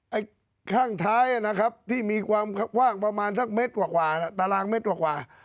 ไอ้ข้างท้ายนะครับที่มีความกว้างประมาณสักเต็ดกว่าตารางเมตรกว่า